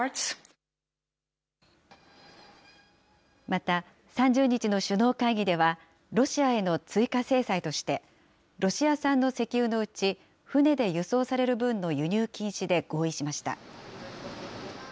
また、３０日の首脳会議では、ロシアへの追加制裁として、ロシア産の石油のうち、船で輸送される分の輸入禁止で合意しました。